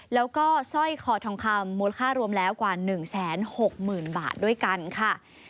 แล้วก็สร้อยคอทองคำมูลค่ารวมแล้วกว่า๑๖๐๐๐บาทด้วยกันค่ะ